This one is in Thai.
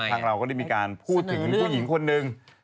เราก็ได้มีการพูดถึงผู้หญิงคนหนึ่ง